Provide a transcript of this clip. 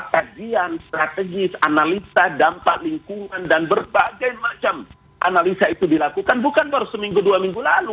kajian strategis analisa dampak lingkungan dan berbagai macam analisa itu dilakukan bukan baru seminggu dua minggu lalu